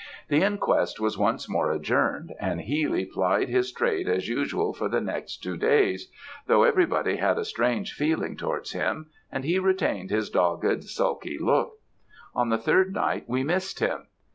"The inquest was once more adjourned; and Healy plied his trade as usual for the next two days, though everybody had a strange feeling towards him; and he retained his dogged, sulky look; on the third night we missed him.